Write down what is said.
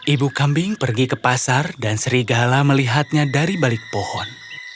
ibu kambing pergi ke pasar dan serigala melihatnya dari balik pohon